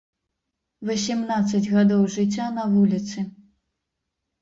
Васямнаццаць гадоў жыцця на вуліцы.